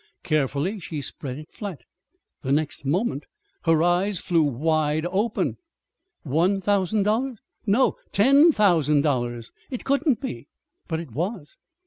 Carefully she spread it flat. The next moment her eyes flew wide open. One thousand dollars! No, ten thousand! It couldn't be! But it was.